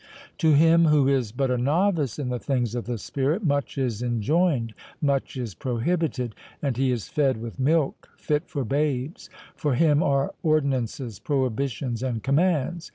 To him who is but a novice in the things of the spirit, much is enjoined, much is prohibited; and he is fed with milk fit for babes—for him are ordinances, prohibitions, and commands.